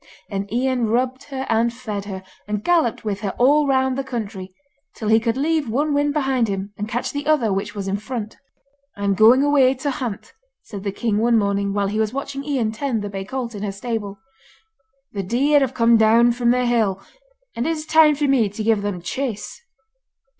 And Ian rubbed her and fed her, and galloped with her all round the country, till he could leave one wind behind him and catch the other which was in front. 'I am going away to hunt,' said the king one morning while he was watching Ian tend the bay colt in her stable. 'The deer have come down from the hill, and it is time for me to give them chase.